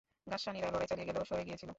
গাসসানীরা লড়াই চালিয়ে গেলেও সরে গিয়েছিল।